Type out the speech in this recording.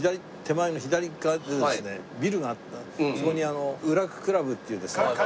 そこにウラククラブっていうですね。